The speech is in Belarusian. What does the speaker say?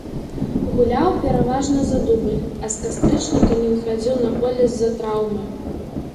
Гуляў пераважна за дубль, а з кастрычніка не выхадзіў на поле з-за траўмы.